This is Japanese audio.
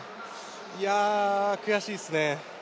いや、悔しいですね。